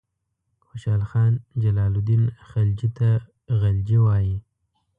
خوشحال خان جلال الدین خلجي ته غلجي وایي.